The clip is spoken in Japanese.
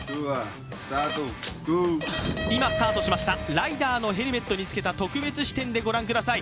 今スタートしましたライダーのヘルメットにつけた特別視点でご覧ください。